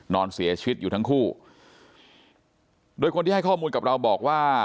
นอนเสียชีวิตอยู่ทั้งคู่โดยคนที่ให้ข้อมูลกับเราบอกว่า